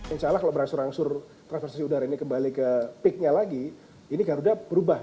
insya allah kalau berangsur angsur transfersisi udara ini kembali ke peaknya lagi ini garuda berubah